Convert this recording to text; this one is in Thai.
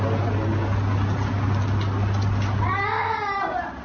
โอ้ยแล้วที่ร้องนั่นคือคนหรือผีค่ะแล้วที่ร้องนั่นคือคนหรือผีค่ะ